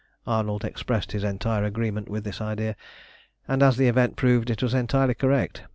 Arnold expressed his entire agreement with this idea, and, as the event proved, it was entirely correct.